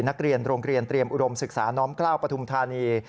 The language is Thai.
นักเรียนโรงเรียนเตรียมอุดมศึกษาน้อมกล้าวปฐุมธานี